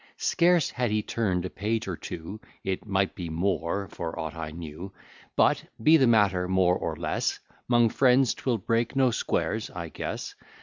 Scarce had he turn'd a page or two, It might be more, for aught I knew; But, be the matter more or less, 'Mong friends 'twill break no squares, I guess.